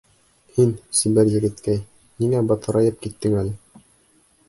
Һин, сибәр егеткәй, ниңә батырайып киттең әле?